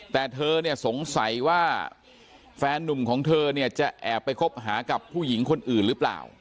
แต่เธอเนี่ยสงสัยว่าแฟนนุ่มของเธอเนี่ยจะแอบไปคบหากับผู้หญิงคนอื่นหรือเปล่า